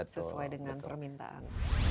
sesuai dengan permintaan